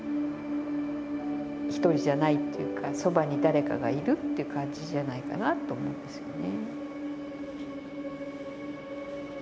ひとりじゃないっていうかそばに誰かがいるって感じじゃないかなと思うんですよね。